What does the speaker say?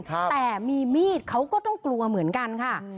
แต่มีมีดเขาก็ต้องกลัวเหมือนกันค่ะ